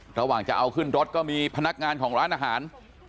ระหว่างจะเอาขึ้นรถก็มีพนักงานของร้านอาหาร